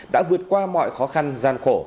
đã vượt qua mọi khó khăn gian khổ